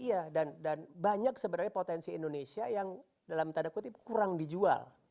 iya dan banyak sebenarnya potensi indonesia yang dalam tanda kutip kurang dijual